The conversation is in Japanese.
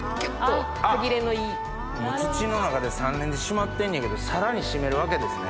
もう土の中で３年で締まってんねんけどさらに締めるわけですね。